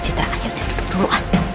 citra ayo duduk dulu